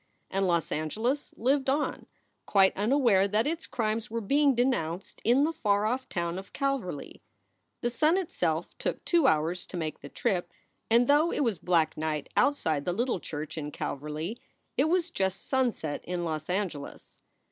And Los Angeles lived on, quite unaware that its crimes were being denounced in the far off town of Calverly. The sun itself took two hours to make the trip, and though it was black night outside the little church in Calverly, it was just sunset in Los Angeles.